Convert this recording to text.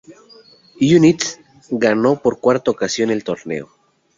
United ganó por cuarta ocasión el torneo.